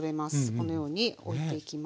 このようにおいていきます。